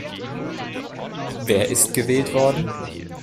Wer ist gewählt worden?